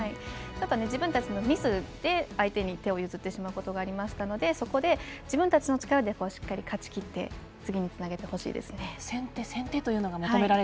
自分たちのミスで相手に点を譲ってしまうことがありましたのでそこで、自分たちの力でしっかり勝ちきって次につなげてほしいですね。